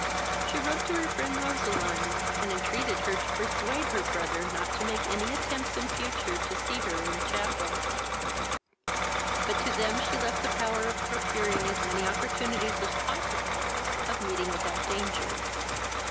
She wrote to her friend Roseline, and entreated her to persuade her brother not to make any attempts in future to see her in the chapel; but to them she left the power of procuring as many opportunities as possible of meeting without danger.